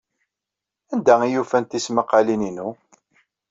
Anda ay ufant tismaqqalin-inu?